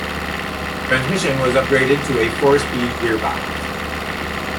Transmission was upgraded to a four speed gear box.